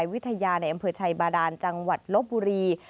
วิทยาในอำเภอชัยบาดานจังหวัดลบบุรี